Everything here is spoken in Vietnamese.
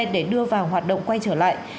để đưa vào hoạt động quay trở lại